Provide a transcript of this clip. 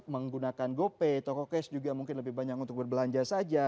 menggunakan gopay toko case juga mungkin lebih banyak untuk berbelanja saja